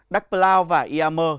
đắc plao và iam